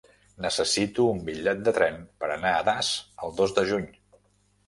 Necessito un bitllet de tren per anar a Das el dos de juny.